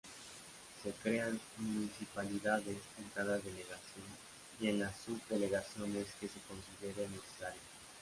Se crean "Municipalidades" en cada Delegación y en las Subdelegaciones que se considere necesario.